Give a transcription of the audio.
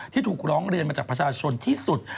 ที่ถูกร้องเรียนมาจากประชาชนที่สุด